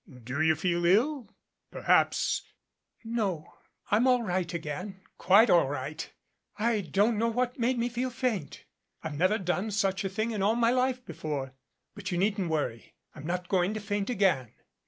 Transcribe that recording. "Do you feel ill? Perhaps " "No. I'm all right again quite all right. I don't know what made me feel faint. I've never done such a thing in all my life before. But you needn't worry. I'm not going to faint again."